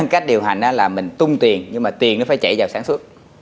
cách điều hành là mình tung tiền nhưng mà tiền nó phải chạy vào sản xuất